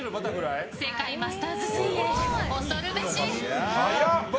世界マスターズ水泳、恐るべし。